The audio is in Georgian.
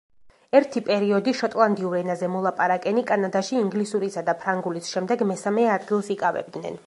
ერთი პერიოდი შოტლანდიურ ენაზე მოლაპარაკენი კანადაში ინგლისურისა და ფრანგულის შემდეგ მესამე ადგილს იკავებდნენ.